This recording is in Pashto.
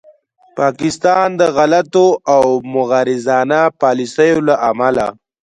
پاکستان د غلطو او مغرضانه پالیسیو له امله